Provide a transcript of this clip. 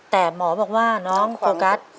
แต่หมอบอกว่าน้องโฟกัส